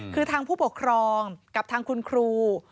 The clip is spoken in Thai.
คือทางผู้ปกครองกับทางคุณครู